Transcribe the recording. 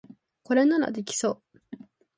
これならできそう